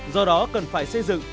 do đó cần phải xây dựng